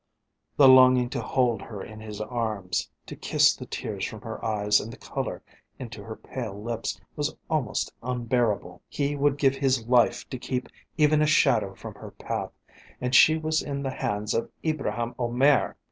The longing to hold her in his arms, to kiss the tears from her eyes and the colour into her pale lips, was almost unbearable. He would give his life to keep even a shadow from her path, and she was in the hands of Ibraheim Omair!